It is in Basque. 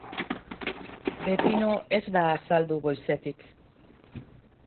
Beppino ez da azaldu goizetik.